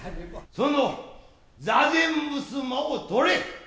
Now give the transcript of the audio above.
その座禅衾をとれ。